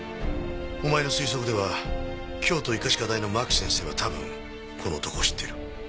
お前の推測では京都医科歯科大の真木先生は多分この男を知ってる。